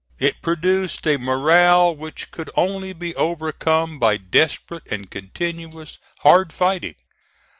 It produced a morale which could only be overcome by desperate and continuous hard fighting.